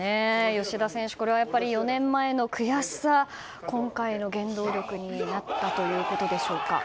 吉田選手、これはやっぱり４年前の悔しさが今回の原動力になったということですか。